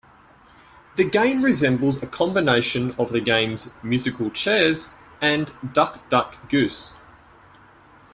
The game resembles a combination of the games Musical Chairs and Duck Duck Goose.